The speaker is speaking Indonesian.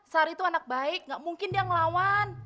sari itu anak baik gak mungkin dia ngelawan